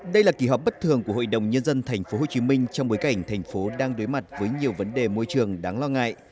đây là kỳ họp bất thường của hội đồng nhân dân tp hcm trong bối cảnh thành phố đang đối mặt với nhiều vấn đề môi trường đáng lo ngại